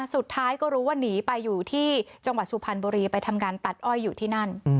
สุดท้ายก็รู้ว่าหนีไปอยู่ที่จังหวัดสุพรรณบุรีไปทำการตัดอ้อยอยู่ที่นั่น